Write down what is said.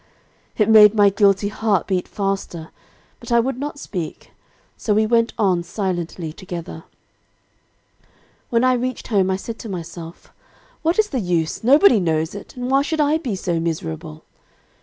"It made my guilty heart beat faster, but I would not speak; so we went on silently together. "When I reached home, I said to myself, 'what is the use, nobody knows it, and why should I be so miserable?'